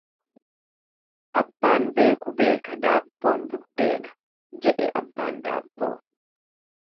Abbaan beeku beeka daabboon buddeena jedhe abbaan daabboo.